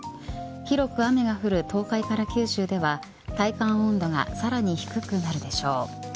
広く雨が降る東海から九州では体感温度がさらに低くなるでしょう。